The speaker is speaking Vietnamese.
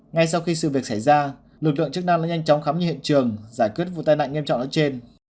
ngay sau khi sự việc xảy ra lực lượng chức năng đã nhanh chóng khám nghiệm hiện trường giải quyết vụ tai nạn nghiêm trọng nói trên